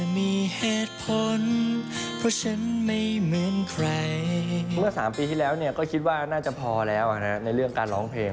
เมื่อ๓ปีที่แล้วก็คิดว่าน่าจะพอแล้วในเรื่องการร้องเพลง